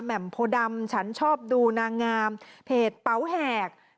มโพดำฉันชอบดูนางงามเพจเป๋าแหก